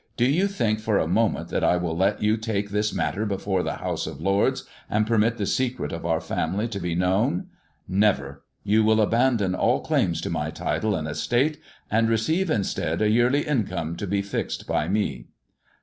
"Do you think for a moment that I will let you take this matter before the House of Lords, and permit the secret of our family to be known 1 Never ! You will abandon all claims to my title and estate, and receive instead a yearly income to be fixed by me."